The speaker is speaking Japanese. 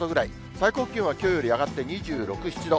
最高気温はきょうより上がって２６、７度。